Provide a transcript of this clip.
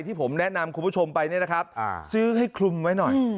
ที่ผมแนะนำคุณผู้ชมไปเนี่ยนะครับซื้อให้คลุมไว้หน่อย